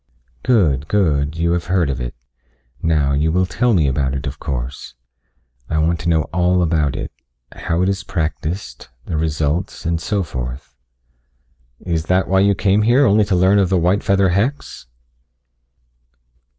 "Good, good. You have heard of it. Now, you will tell me about it, of course. I want to know all about it how it is practiced, the results, and so forth." "Is that why you came here? Only to learn of the white feather hex?"